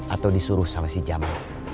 atau disuruh sama si jamaah